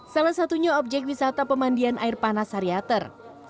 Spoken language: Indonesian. salah satunya objek wisata pemandian air panas sariater